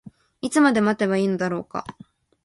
いつまで待てばいいのだろうか。